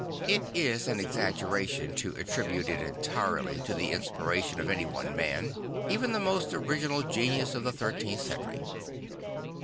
It is an exaggeration to attribute it entirely to the inspiration of anyone man, even the most original genius of the thirteenth century.